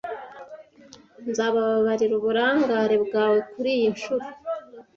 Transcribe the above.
Nzababarira uburangare bwawe kuriyi nshuro.